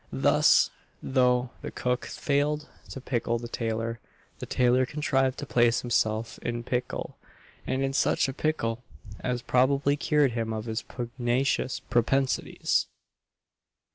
Thus, though the cook failed to pickle the tailor, the tailor contrived to place himself in pickle and in such a pickle as probably cured him of his pugnacious propensities.